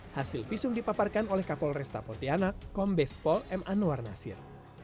hasil visum dipaparkan oleh kapolresta pontianak kombes pol m anwar nasir